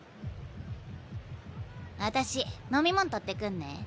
あたし飲み物取ってくんね。